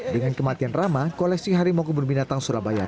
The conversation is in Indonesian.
dengan kematian rama koleksi harimau kebun binatang surabaya